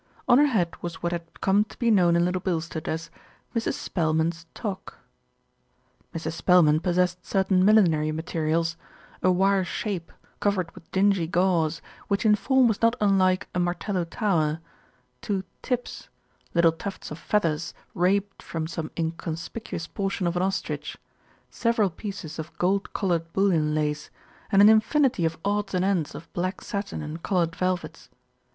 On her head was what had come to be known in Little Bilstead as "Mrs. Spelman's toque." Mrs. Spelman possessed certain millinery materials, a wire "shape," covered with dingy gauze, which in form was not unlike a Martello Tower, two "tips," little tufts of feathers raped from some inconspicuous portion of an ostrich, several pieces of gold coloured bullion lace, and an infinity of odds and ends of black satin and coloured velvets.